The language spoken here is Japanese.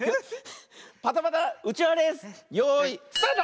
パタパタうちわレースよいスタート！